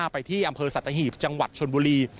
ไปที่อำเภอสัตหีบจังหวัดชนบุรี